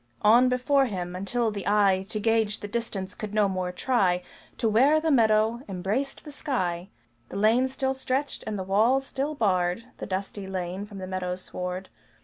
On before him, until the eye To gauge the distance could no more try, To where the meadow embraced the sky, The lane still stretched, and the walls still barred The dusty lane from the meadow sward.